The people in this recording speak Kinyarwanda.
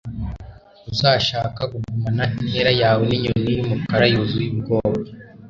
uzashaka kugumana intera yawe ninyoni yumukara yuzuye ubwoba